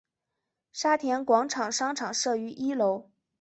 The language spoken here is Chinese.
沙田广场商场设于一楼。